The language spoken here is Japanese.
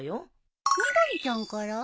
みどりちゃんから？